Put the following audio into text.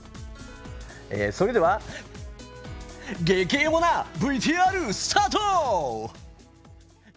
それでは激エモなＶＴＲ、スタート！